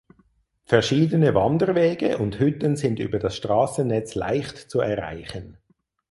Verschiedene Wanderwege und Hütten sind über das Straßennetz leicht zu erreichen.